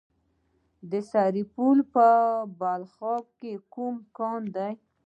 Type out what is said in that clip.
د سرپل په بلخاب کې کوم کان دی؟